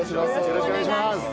よろしくお願いします。